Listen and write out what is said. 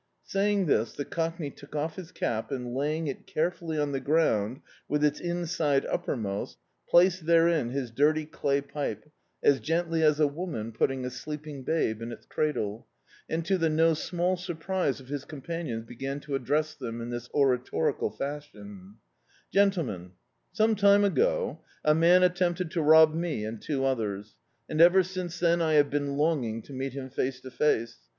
Saying this the Cockney took off his cap and laying it carefully on the ground with its inside uppermost, placed therein his dirty clay pipe, as gently as a woman putting a sleeping babe in its 1 123] Dictzed by Google The Autobiography of a Super Tramp cradle — and to the no anall surprise of his com panions began to address them in this oratorical fash ion: "Gentlemen, some time ago a man 'attempted to rob me and two others, and ever since then I have been longing to meet him face to face.